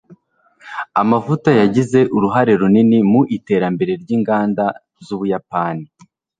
amavuta yagize uruhare runini mu iterambere ry'inganda z'ubuyapani